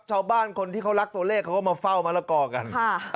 ชาวบ้านคนที่เขารักตัวเลขเขาก็มาเฝ้ามะละกอกัน